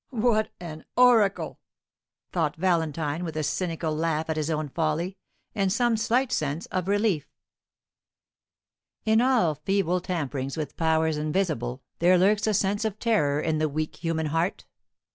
"What an oracle!" thought Valentine, with a cynical laugh at his own folly, and some slight sense of relief. In all feeble tamperings with powers invisible there lurks a sense of terror in the weak human heart.